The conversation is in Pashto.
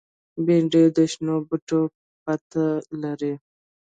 بېنډۍ د شنو بوټو پته لري